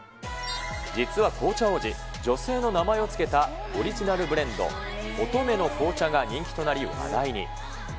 実は紅茶王子、女性の名前を付けたオリジナルブレンド、乙女の紅茶が人気となり話題に。